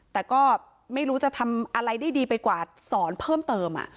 แต่ก็ไม่รู้จะทำอะไรได้ดีไปกว่าสอนเพิ่มเติม